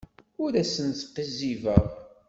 Ur asen-sqizzibeɣ.